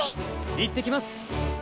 いってきます！